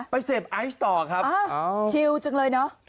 ไปเสพไอซ์ต่อครับชิลจังเลยเนอะ